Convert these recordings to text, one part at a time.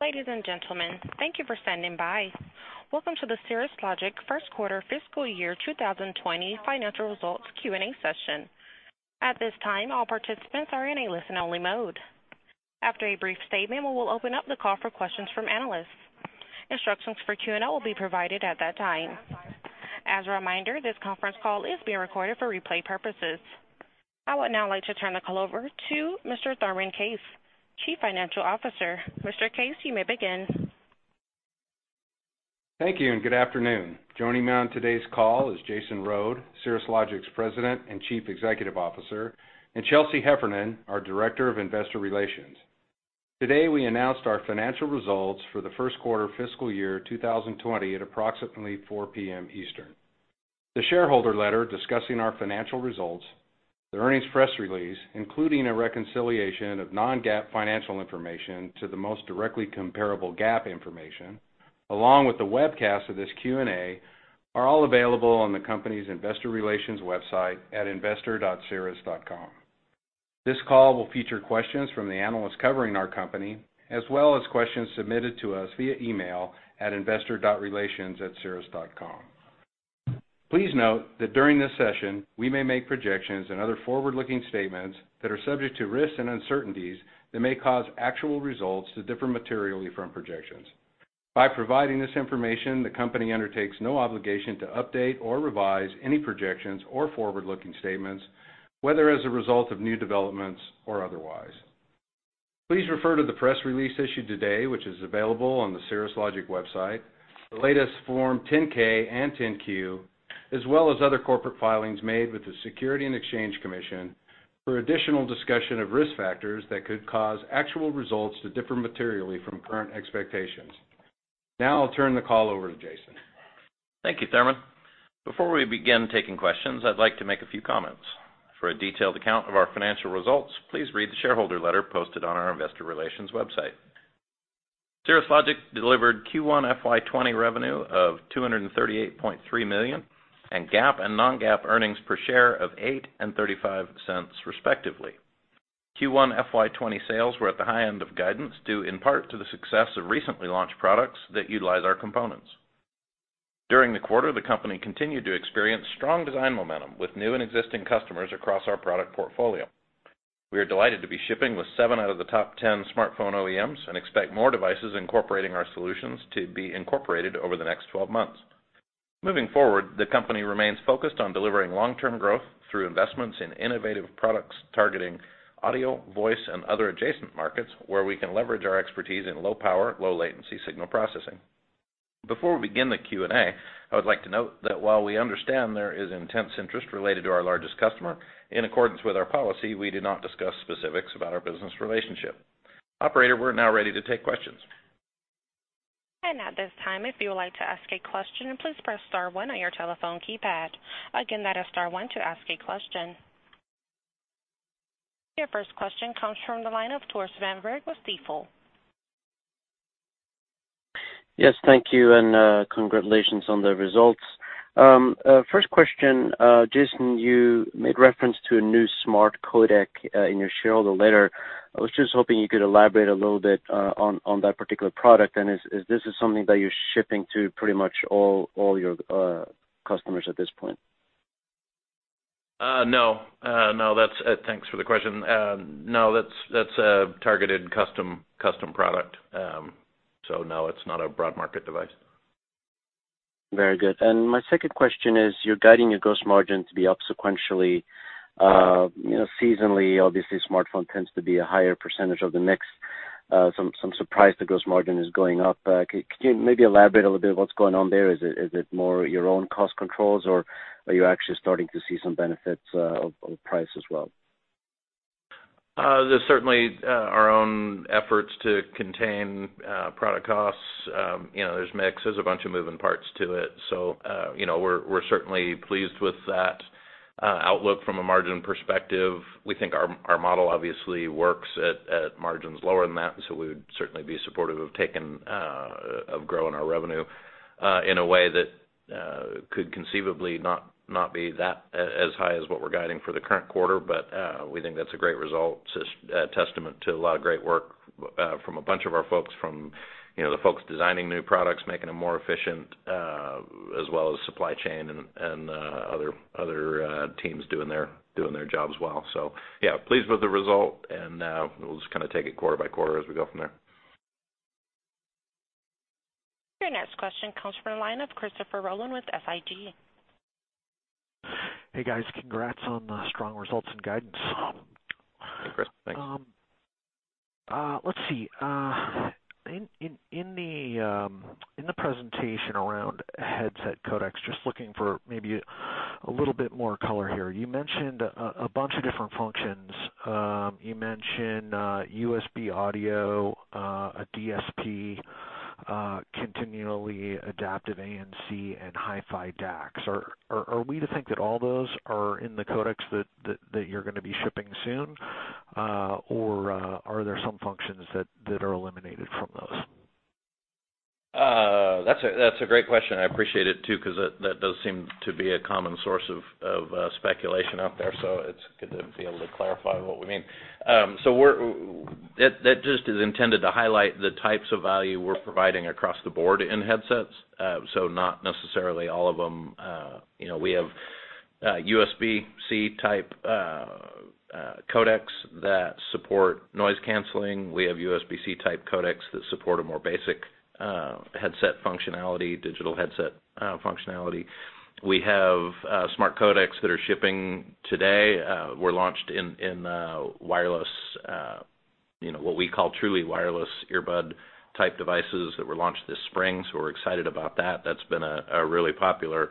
Ladies and gentlemen, thank you for standing by. Welcome to the Cirrus Logic Q1 FY 2020 Financial Results Q&A Session. At this time, all participants are in a listen-only mode. After a brief statement, we will open up the call for questions from analysts. Instructions for Q&A will be provided at that time. As a reminder, this conference call is being recorded for replay purposes. I would now like to turn the call over to Mr. Thurman Case, Chief Financial Officer. Mr. Case, you may begin. Thank you and good afternoon. Joining me on today's call is Jason Rhode, Cirrus Logic's President and Chief Executive Officer, and Chelsea Heffernan, our Director of Investor Relations. Today, we announced our financial results for the Q1 FY 2020 at approximately 4:00 P.M. Eastern. The shareholder letter discussing our financial results, the earnings press release, including a reconciliation of non-GAAP financial information to the most directly comparable GAAP information, along with the webcast of this Q&A, are all available on the company's Investor Relations website at investor.cirrus.com. This call will feature questions from the analysts covering our company, as well as questions submitted to us via email at investor.relations@cirrus.com. Please note that during this session, we may make projections and other forward-looking statements that are subject to risks and uncertainties that may cause actual results to differ materially from projections. By providing this information, the company undertakes no obligation to update or revise any projections or forward-looking statements, whether as a result of new developments or otherwise. Please refer to the press release issued today, which is available on the Cirrus Logic website, the latest Form 10-K and 10-Q, as well as other corporate filings made with the Securities and Exchange Commission for additional discussion of risk factors that could cause actual results to differ materially from current expectations. Now, I'll turn the call over to Jason. Thank you, Thurman. Before we begin taking questions, I'd like to make a few comments. For a detailed account of our financial results, please read the shareholder letter posted on our Investor Relations website. Cirrus Logic delivered Q1 FY20 revenue of $238.3 million and GAAP and non-GAAP earnings per share of $8.35, respectively. Q1 FY20 sales were at the high end of guidance due in part to the success of recently launched products that utilize our components. During the quarter, the company continued to experience strong design momentum with new and existing customers across our product portfolio. We are delighted to be shipping with seven out of the top 10 smartphone OEMs and expect more devices incorporating our solutions to be incorporated over the next 12 months. Moving forward, the company remains focused on delivering long-term growth through investments in innovative products targeting audio, voice, and other adjacent markets where we can leverage our expertise in low-power, low-latency signal processing. Before we begin the Q&A, I would like to note that while we understand there is intense interest related to our largest customer, in accordance with our policy, we do not discuss specifics about our business relationship. Operator, we're now ready to take questions. At this time, if you would like to ask a question, please press star one on your telephone keypad. Again, that is star one to ask a question. Your first question comes from the line of Tore Svanberg with Stifel. Yes, thank you and congratulations on the results. First question, Jason, you made reference to a new smart codec in your shareholder letter. I was just hoping you could elaborate a little bit on that particular product and is this something that you're shipping to pretty much all your customers at this point? No, no, thanks for the question. No, that's a targeted custom product. So no, it's not a broad market device. Very good. And my second question is you're guiding your gross margin to be up sequentially. Seasonally, obviously, smartphone tends to be a higher percentage of the mix. Some surprise the gross margin is going up. Could you maybe elaborate a little bit what's going on there? Is it more your own cost controls or are you actually starting to see some benefits of price as well? There's certainly our own efforts to contain product costs. There's mix. There's a bunch of moving parts to it. So we're certainly pleased with that outlook from a margin perspective. We think our model obviously works at margins lower than that, so we would certainly be supportive of growing our revenue in a way that could conceivably not be that as high as what we're guiding for the current quarter, but we think that's a great result, a testament to a lot of great work from a bunch of our folks, from the folks designing new products, making them more efficient, as well as supply chain and other teams doing their jobs well. So pleased with the result and we'll just kind of take it quarter by quarter as we go from there. Your next question comes from the line of Christopher Rolland with SIG. Hey guys, congrats on the strong results and guidance. Thanks. Let's see. In the presentation around headset codecs, just looking for maybe a little bit more color here, you mentioned a bunch of different functions. You mentioned USB audio, a DSP, continually adaptive ANC, and Hi-Fi DACs. Are we to think that all those are in the codecs that you're going to be shipping soon, or are there some functions that are eliminated from those? That's a great question. I appreciate it too because that does seem to be a common source of speculation out there, so it's good to be able to clarify what we mean, so that just is intended to highlight the types of value we're providing across the board in headsets, so not necessarily all of them. We have USB-C type codecs that support noise canceling. We have USB-C type codecs that support a more basic headset functionality, digital headset functionality. We have smart codecs that are shipping today. We're launched in wireless, what we call truly wireless earbud type devices that were launched this spring, so we're excited about that. That's been a really popular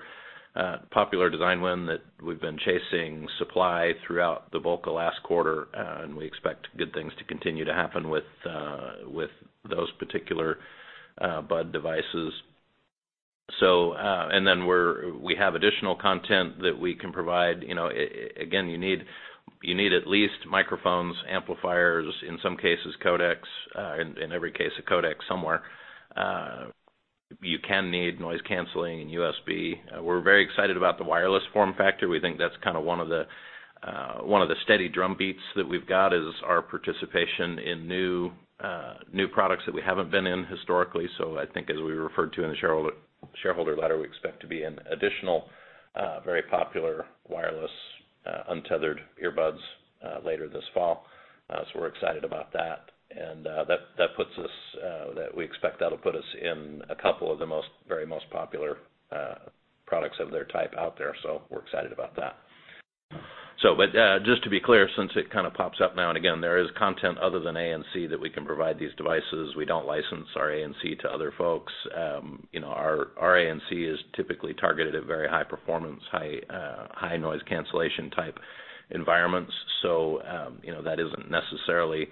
design win that we've been chasing supply throughout the bulk of last quarter, and we expect good things to continue to happen with those particular bud devices. Then we have additional content that we can provide. Again, you need at least microphones, amplifiers, in some cases codecs, in every case a codec somewhere. You can need noise canceling and USB. We're very excited about the wireless form factor. We think that's kind of one of the steady drumbeats that we've got is our participation in new products that we haven't been in historically. So I think as we referred to in the shareholder letter, we expect to be in additional very popular wireless untethered earbuds later this fall. So we're excited about that. And that puts us that we expect that'll put us in a couple of the very most popular products of their type out there, so we're excited about that. Just to be clear, since it kind of pops up now and again, there is content other than ANC that we can provide these devices. We don't license our ANC to other folks. Our ANC is typically targeted at very high performance, high noise cancellation type environments, so that isn't necessarily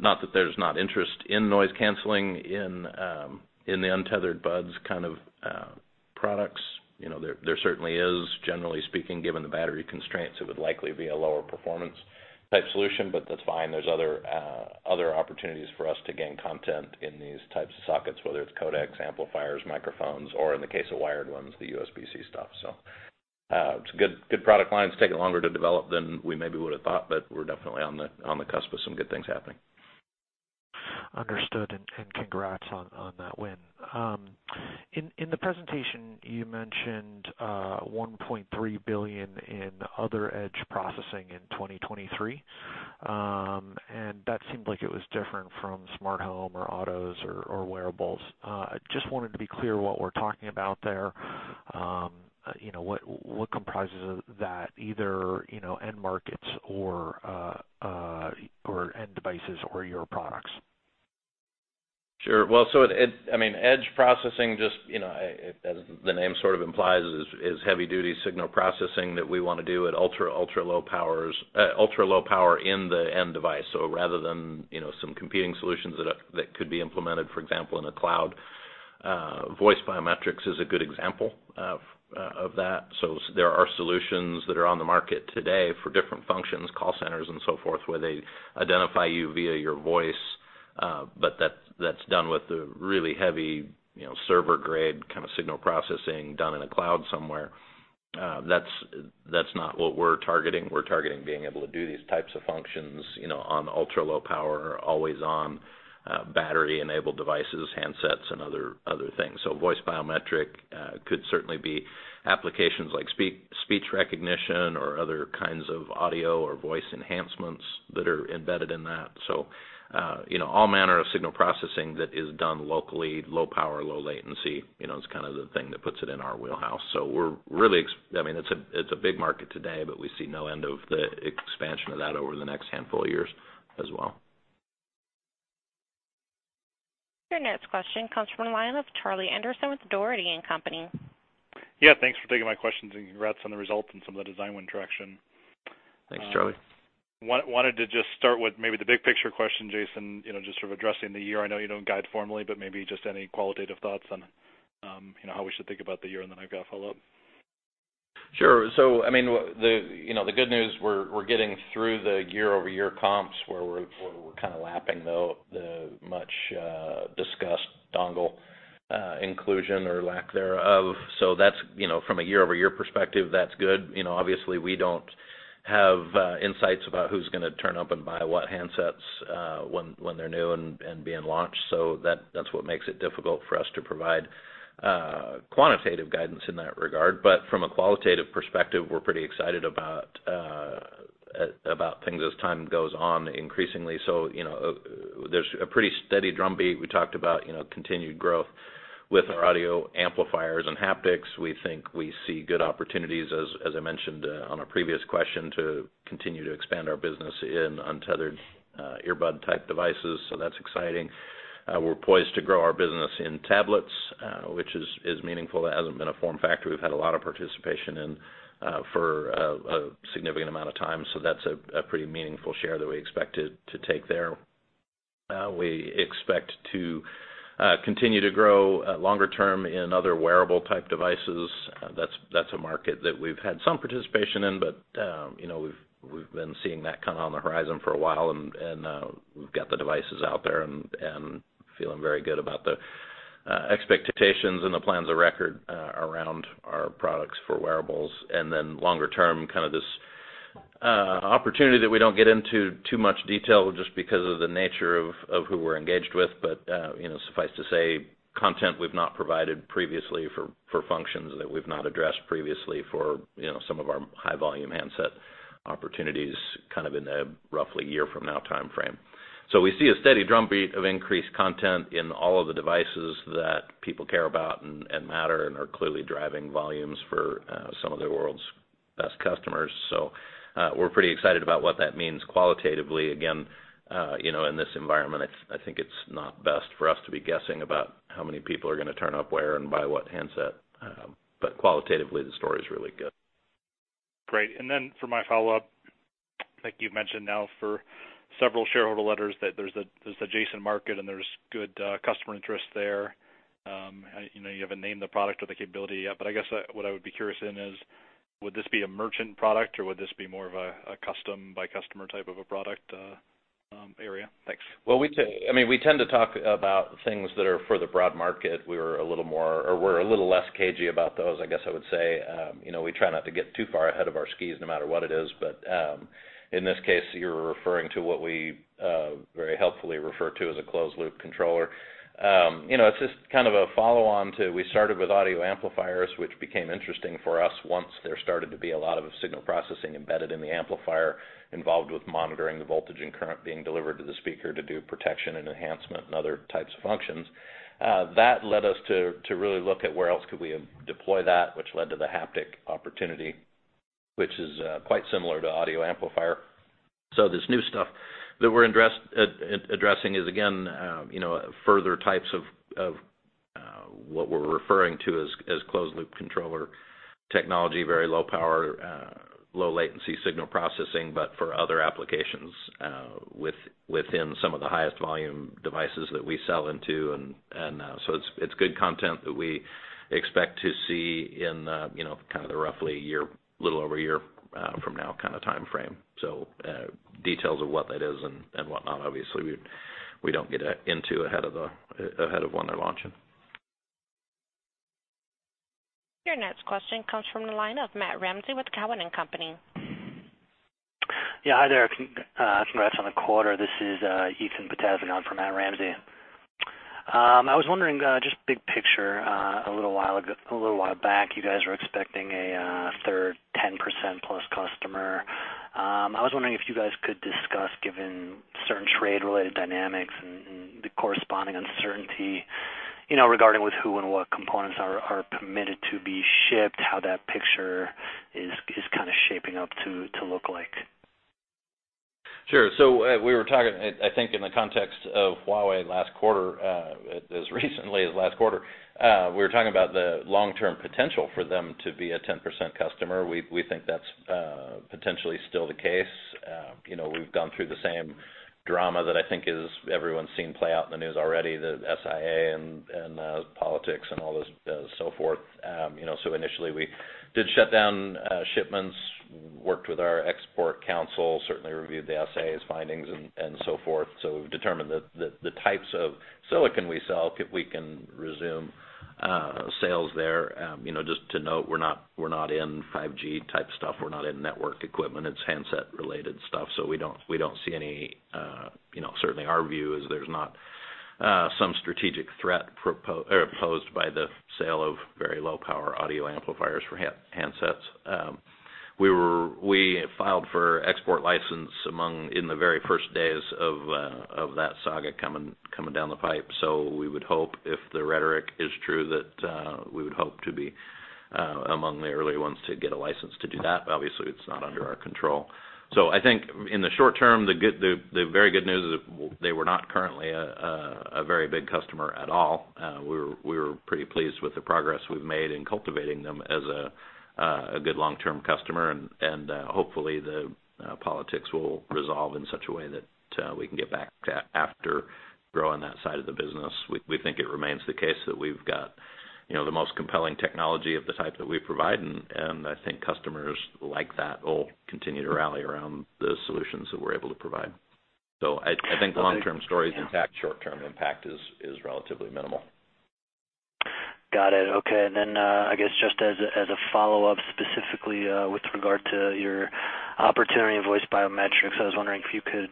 not that there's not interest in noise canceling in the untethered buds kind of products. There certainly is, generally speaking, given the battery constraints, it would likely be a lower performance type solution, but that's fine. There's other opportunities for us to gain content in these types of sockets, whether it's codecs, amplifiers, microphones, or in the case of wired ones, the USB-C stuff. It's good product lines. It's taken longer to develop than we maybe would have thought, but we're definitely on the cusp of some good things happening. Understood and congrats on that win. In the presentation, you mentioned 1.3 billion in other edge processing in 2023, and that seemed like it was different from smart home or autos or wearables. Just wanted to be clear what we're talking about there. What comprises that, either end markets or end devices or your products? Sure. Well, so I mean, edge processing, just as the name sort of implies, is heavy-duty signal processing that we want to do at ultra low power in the end device. So rather than some competing solutions that could be implemented, for example, in a cloud, voice biometrics is a good example of that. So there are solutions that are on the market today for different functions, call centers and so forth, where they identify you via your voice, but that's done with the really heavy server-grade kind of signal processing done in a cloud somewhere. That's not what we're targeting. We're targeting being able to do these types of functions on ultra low power, always-on battery-enabled devices, handsets, and other things. So voice biometrics could certainly be applications like speech recognition or other kinds of audio or voice enhancements that are embedded in that. So all manner of signal processing that is done locally, low power, low latency, it's kind of the thing that puts it in our wheelhouse. So we're really I mean, it's a big market today, but we see no end of the expansion of that over the next handful of years as well. Your next question comes from the line of Charlie Anderson with Dougherty & Company. Thanks for taking my questions and congrats on the results and some of the design win traction. Thanks, Charlie. Wanted to just start with maybe the big picture question, Jason, just sort of addressing the year. I know you don't guide formally, but maybe just any qualitative thoughts on how we should think about the year and then I've got to follow up. Sure. So I mean, the good news, we're getting through the year-over-year comps where we're kind of lapping the much-discussed dongle inclusion or lack thereof. So from a year-over-year perspective, that's good. Obviously, we don't have insights about who's going to turn up and buy what handsets when they're new and being launched, so that's what makes it difficult for us to provide quantitative guidance in that regard. But from a qualitative perspective, we're pretty excited about things as time goes on increasingly. So there's a pretty steady drumbeat. We talked about continued growth with our audio amplifiers and haptics. We think we see good opportunities, as I mentioned on a previous question, to continue to expand our business in untethered earbud type devices, so that's exciting. We're poised to grow our business in tablets, which is meaningful. That hasn't been a form factor we've had a lot of participation in for a significant amount of time, so that's a pretty meaningful share that we expect to take there. We expect to continue to grow longer term in other wearable type devices. That's a market that we've had some participation in, but we've been seeing that kind of on the horizon for a while, and we've got the devices out there and feeling very good about the expectations and the plans of record around our products for wearables, and then longer term, kind of this opportunity that we don't get into too much detail just because of the nature of who we're engaged with, but suffice to say, content we've not provided previously for functions that we've not addressed previously for some of our high-volume handset opportunities kind of in the roughly year-from-now timeframe. So we see a steady drumbeat of increased content in all of the devices that people care about and matter and are clearly driving volumes for some of the world's best customers. So we're pretty excited about what that means qualitatively. Again, in this environment, I think it's not best for us to be guessing about how many people are going to turn up, wear, and buy what handset, but qualitatively, the story is really good. Great. And then for my follow-up, I think you've mentioned now for several shareholder letters that there's a decent market and there's good customer interest there. You haven't named the product or the capability yet, but I guess what I would be curious in is, would this be a merchant product or would this be more of a custom-by-customer type of a product area? Thanks. Well, I mean, we tend to talk about things that are for the broad market. We're a little more or we're a little less cagey about those, I guess I would say. We try not to get too far ahead of our skis no matter what it is, but in this case, you're referring to what we very helpfully refer to as a closed-loop controller. It's just kind of a follow-on to we started with audio amplifiers, which became interesting for us once there started to be a lot of signal processing embedded in the amplifier involved with monitoring the voltage and current being delivered to the speaker to do protection and enhancement and other types of functions. That led us to really look at where else could we deploy that, which led to the haptics opportunity, which is quite similar to audio amplifier. So this new stuff that we're addressing is, again, further types of what we're referring to as closed-loop controller technology, very low power, low-latency signal processing, but for other applications within some of the highest volume devices that we sell into. And so it's good content that we expect to see in kind of the roughly a year, a little over a year from now kind of timeframe. So details of what that is and whatnot, obviously, we don't get into ahead of when they're launching. Your next question comes from the line of Matt Ramsey with Cowen & Company Hi there. Congrats on the quarter. This is Ethan Potasiewicz from Matt Ramsey. I was wondering, just big picture, a little while back, you guys were expecting a third 10% plus customer. I was wondering if you guys could discuss, given certain trade-related dynamics and the corresponding uncertainty regarding with who and what components are permitted to be shipped, how that picture is kind of shaping up to look like. Sure. So we were talking, I think, in the context of Huawei last quarter, as recently as last quarter, we were talking about the long-term potential for them to be a 10% customer. We think that's potentially still the case. We've gone through the same drama that I think everyone's seen play out in the news already, the SIA and politics and all this so forth. So initially, we did shut down shipments, worked with our export council, certainly reviewed the SIA's findings and so forth. So we've determined that the types of silicon we sell, we can resume sales there. Just to note, we're not in 5G type stuff. We're not in network equipment. It's handset-related stuff, so we don't see any certainly, our view is there's not some strategic threat posed by the sale of very low-power audio amplifiers for handsets. We filed for export license in the very first days of that saga coming down the pipe, so we would hope, if the rhetoric is true, that we would hope to be among the early ones to get a license to do that. Obviously, it's not under our control. So I think in the short term, the very good news is they were not currently a very big customer at all. We were pretty pleased with the progress we've made in cultivating them as a good long-term customer, and hopefully, the politics will resolve in such a way that we can get back after growing that side of the business. We think it remains the case that we've got the most compelling technology of the type that we provide, and I think customers like that will continue to rally around the solutions that we're able to provide. So I think the long-term story is intact. Short-term impact is relatively minimal. Got it. Okay. And then I guess just as a follow-up, specifically with regard to your opportunity in voice biometrics, I was wondering if you could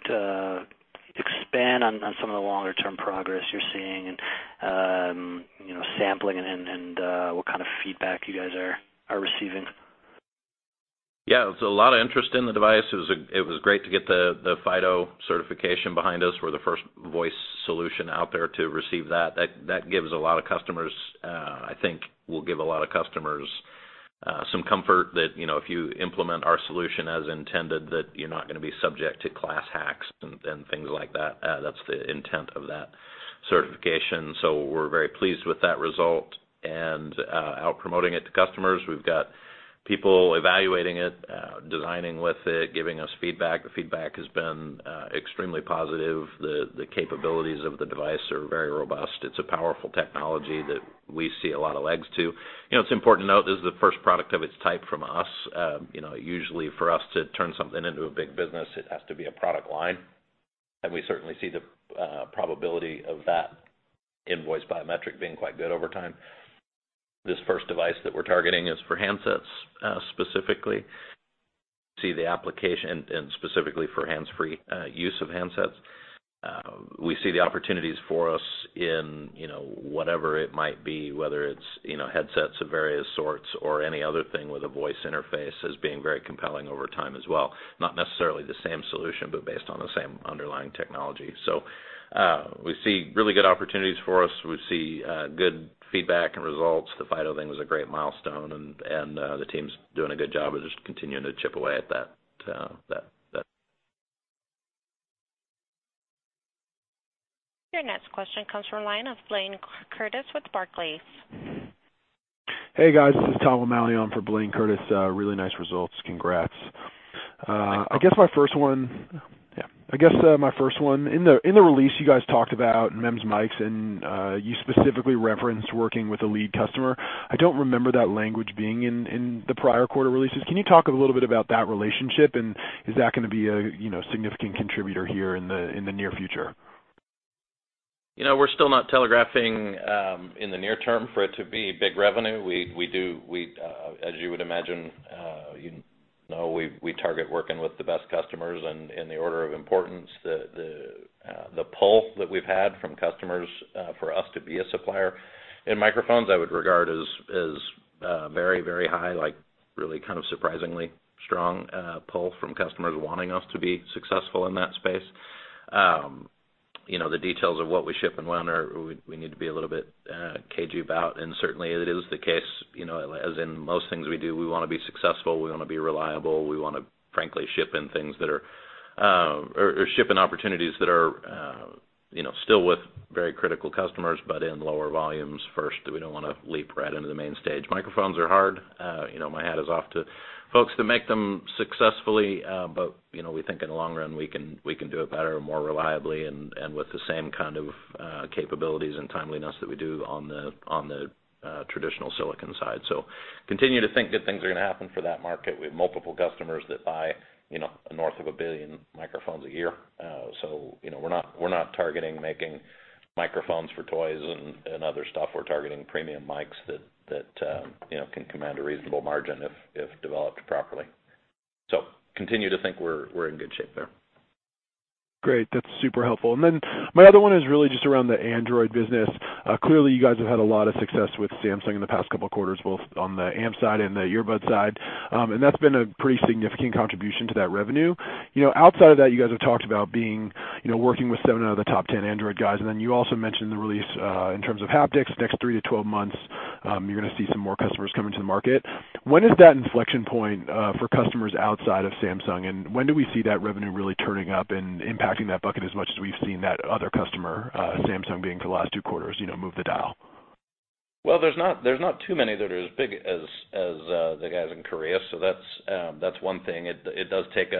expand on some of the longer-term progress you're seeing and sampling and what kind of feedback you guys are receiving? It's a lot of interest in the device. It was great to get the FIDO certification behind us. We're the first voice solution out there to receive that. That I think will give a lot of customers some comfort that if you implement our solution as intended, that you're not going to be subject to class hacks and things like that. That's the intent of that certification. So we're very pleased with that result and we're promoting it to customers. We've got people evaluating it, designing with it, giving us feedback. The feedback has been extremely positive. The capabilities of the device are very robust. It's a powerful technology that we see a lot of legs to. It's important to note this is the first product of its type from us. Usually, for us to turn something into a big business, it has to be a product line, and we certainly see the probability of that in voice biometrics being quite good over time. This first device that we're targeting is for handsets specifically. For the application and specifically for hands-free use of handsets. We see the opportunities for us in whatever it might be, whether it's headsets of various sorts or any other thing with a voice interface as being very compelling over time as well. Not necessarily the same solution, but based on the same underlying technology, so we see really good opportunities for us. We see good feedback and results. The FIDO thing was a great milestone, and the team's doing a good job of just continuing to chip away at that. Your next question comes from the line of Blaine Curtis with Barclays. Hey, guys. This is Thomas O'Malley. I'm for Blaine Curtis. Really nice results. Congrats. I guess my first one. In the release, you guys talked about MEMS mics and you specifically referenced working with a lead customer. I don't remember that language being in the prior quarter releases. Can you talk a little bit about that relationship, and is that going to be a significant contributor here in the near future? We're still not telegraphing in the near term for it to be big revenue. We do, as you would imagine. We target working with the best customers in the order of importance. The pull that we've had from customers for us to be a supplier in microphones, I would regard as very, very high, like really kind of surprisingly strong pull from customers wanting us to be successful in that space. The details of what we ship and when, we need to be a little bit cagey about. And certainly, it is the case. As in most things we do, we want to be successful. We want to be reliable. We want to, frankly, ship in things that are or ship in opportunities that are still with very critical customers, but in lower volumes first. We don't want to leap right into the main stage. Microphones are hard. My hat is off to folks that make them successfully, but we think in the long run, we can do it better, more reliably, and with the same kind of capabilities and timeliness that we do on the traditional silicon side. So continue to think that things are going to happen for that market. We have multiple customers that buy north of a billion microphones a year. So we're not targeting making microphones for toys and other stuff. We're targeting premium mics that can command a reasonable margin if developed properly. So continue to think we're in good shape there. Great. That's super helpful. And then my other one is really just around the Android business. Clearly, you guys have had a lot of success with Samsung in the past couple of quarters, both on the AMP side and the earbud side. And that's been a pretty significant contribution to that revenue. Outside of that, you guys have talked about working with seven out of the top 10 Android guys. And then you also mentioned the release in terms of haptics. Next 3-12 months, you're going to see some more customers coming to the market. When is that inflection point for customers outside of Samsung? And when do we see that revenue really turning up and impacting that bucket as much as we've seen that other customer, Samsung, being for the last two quarters move the dial? There's not too many that are as big as the guys in Korea, so that's one thing. It does take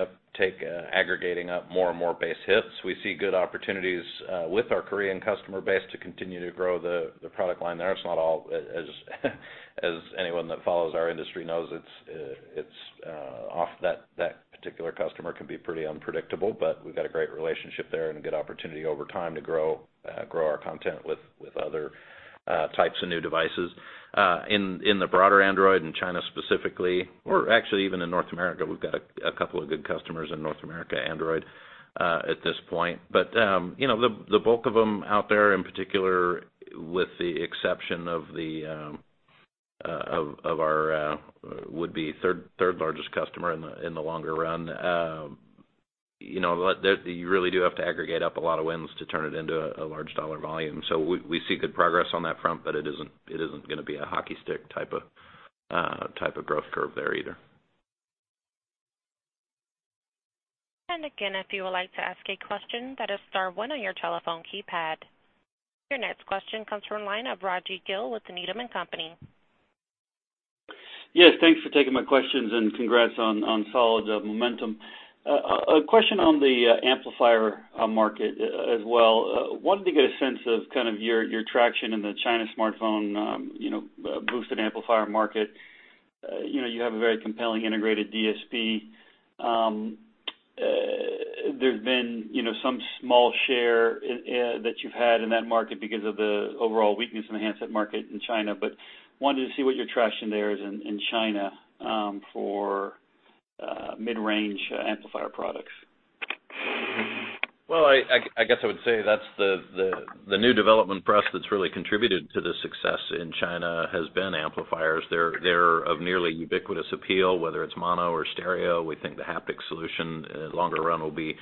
aggregating up more and more base hits. We see good opportunities with our Korean customer base to continue to grow the product line there. It's not all as anyone that follows our industry knows. That particular customer can be pretty unpredictable, but we've got a great relationship there and a good opportunity over time to grow our content with other types of new devices. In the broader Android and China specifically, or actually even in North America, we've got a couple of good customers in North America Android at this point. But the bulk of them out there, in particular, with the exception of our would-be third-largest customer in the longer run, you really do have to aggregate up a lot of wins to turn it into a large-dollar volume. So we see good progress on that front, but it isn't going to be a hockey stick type of growth curve there either. Again, if you would like to ask a question, that is star one on your telephone keypad. Your next question comes from the line of Rajvindra Gill with Needham & Company. Yes. Thanks for taking my questions and congrats on solid momentum. A question on the amplifier market as well. Wanted to get a sense of kind of your traction in the China smartphone boosted amplifier market. You have a very compelling integrated DSP. There's been some small share that you've had in that market because of the overall weakness in the handset market in China, but wanted to see what your traction there is in China for mid-range amplifier products. I guess I would say that's the new development that's really contributed to the success in China has been amplifiers. They're of nearly ubiquitous appeal, whether it's mono or stereo. We think the haptic solution in the longer run will be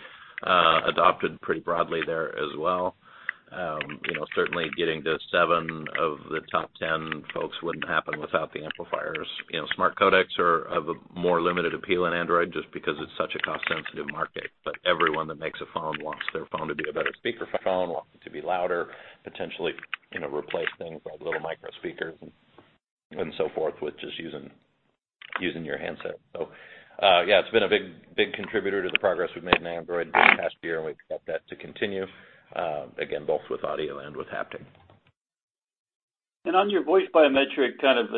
adopted pretty broadly there as well. Certainly, getting to seven of the top 10 folks wouldn't happen without the amplifiers. Smart codec are of a more limited appeal in Android just because it's such a cost-sensitive market. But everyone that makes a phone wants their phone to be a better speakerphone, wants it to be louder, potentially replace things like little micro speakers and so forth with just using your handset. So it's been a big contributor to the progress we've made in Android this past year, and we expect that to continue, again, both with audio and with haptic. On your voice biometrics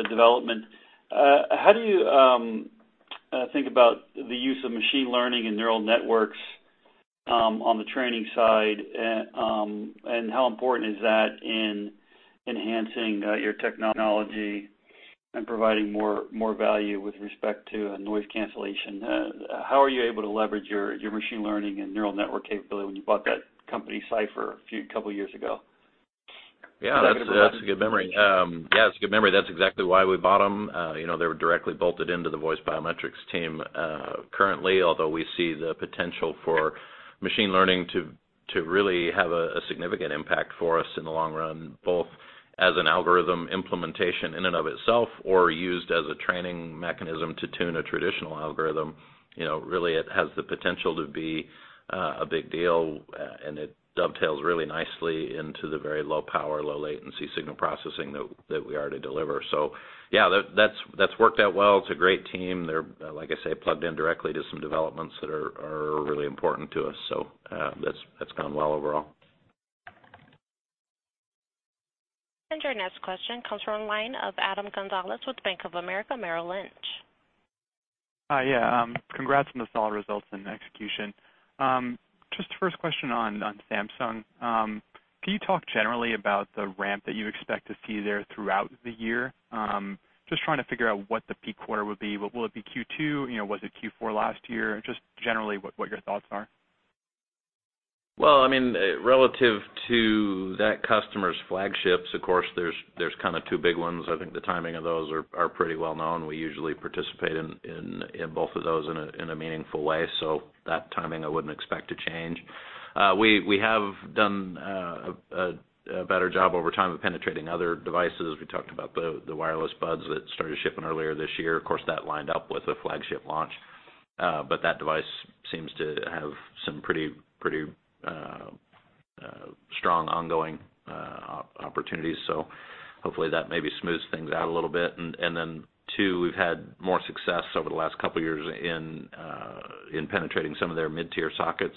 development, how do you think about the use of machine learning and neural networks on the training side, and how important is that in enhancing your technology and providing more value with respect to noise cancellation? How are you able to leverage your machine learning and neural network capability when you bought that company, Cipher, a couple of years ago? That's a good memory. It's a good memory. That's exactly why we bought them. They were directly bolted into the voice biometrics team currently, although we see the potential for machine learning to really have a significant impact for us in the long run, both as an algorithm implementation in and of itself or used as a training mechanism to tune a traditional algorithm. Really, it has the potential to be a big deal, and it dovetails really nicely into the very low-power, low-latency signal processing that we already deliver. So that's worked out well. It's a great team. They're, like I say, plugged in directly to some developments that are really important to us. So that's gone well overall. And your next question comes from the line of Adam Gonzalez with Bank of America Merrill Lynch. Hi! Congrats on the solid results and execution. Just the first question on Samsung. Can you talk generally about the ramp that you expect to see there throughout the year? Just trying to figure out what the peak quarter will be. Will it be Q2? Was it Q4 last year? Just generally what your thoughts are? Relative to that customer's flagships, of course, there's kind of two big ones. I think the timing of those are pretty well known. We usually participate in both of those in a meaningful way. So that timing, I wouldn't expect to change. We have done a better job over time of penetrating other devices. We talked about the wireless buds that started shipping earlier this year. Of course, that lined up with a flagship launch, but that device seems to have some pretty strong ongoing opportunities. So hopefully, that maybe smooths things out a little bit. And then two, we've had more success over the last couple of years in penetrating some of their mid-tier sockets.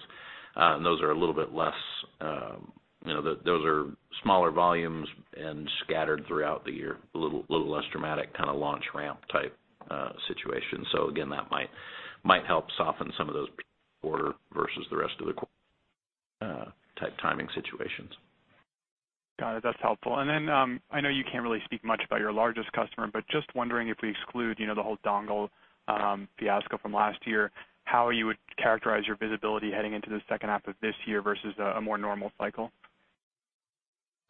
And those are a little bit less, smaller volumes and scattered throughout the year. A little less dramatic kind of launch ramp type situation. So again, that might help soften some of those quarter versus the rest of the quarter type timing situations. Got it. That's helpful. And then I know you can't really speak much about your largest customer, but just wondering if we exclude the whole dongle fiasco from last year, how you would characterize your visibility heading into the H2 of this year versus a more normal cycle?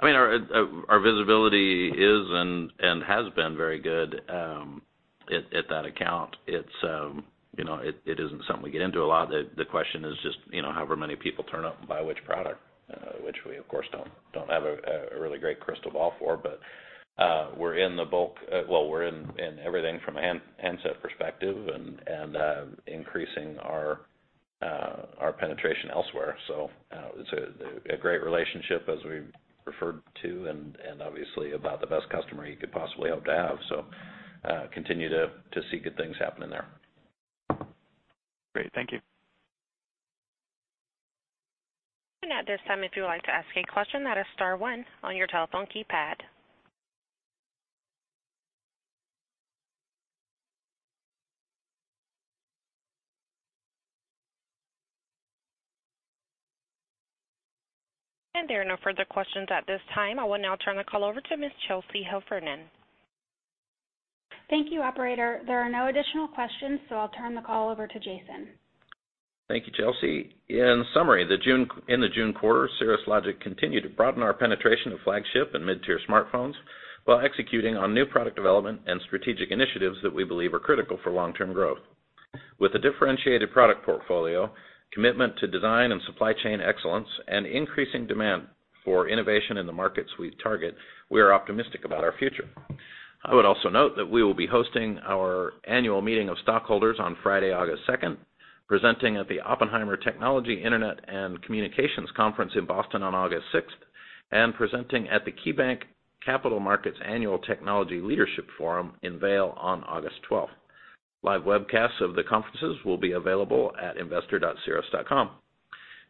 I mean, our visibility is and has been very good at that account. It isn't something we get into a lot. The question is just however many people turn up and buy which product, which we, of course, don't have a really great crystal ball for. But we're in the bulk, well, we're in everything from a handset perspective and increasing our penetration elsewhere. So it's a great relationship, as we referred to, and obviously about the best customer you could possibly hope to have. So continue to see good things happening there. Great. Thank you. At this time, if you would like to ask a question, that is star one on your telephone keypad. There are no further questions at this time. I will now turn the call over to Ms. Chelsea Heffernan. Thank you, Operator. There are no additional questions, so I'll turn the call over to Jason. Thank you, Chelsea. In summary, in the June quarter, Cirrus Logic continued to broaden our penetration of flagship and mid-tier smartphones while executing on new product development and strategic initiatives that we believe are critical for long-term growth. With a differentiated product portfolio, commitment to design and supply chain excellence, and increasing demand for innovation in the markets we target, we are optimistic about our future. I would also note that we will be hosting our annual meeting of stockholders on Friday, August 2nd, presenting at the Oppenheimer Technology Internet and Communications Conference in Boston on August 6th, and presenting at the KeyBanc Capital Markets Annual Technology Leadership Forum in Vail on August 12th. Live webcasts of the conferences will be available at investor.cirrus.com.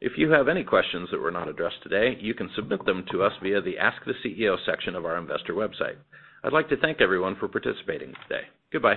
If you have any questions that were not addressed today, you can submit them to us via the Ask the CEO section of our investor website. I'd like to thank everyone for participating today. Goodbye.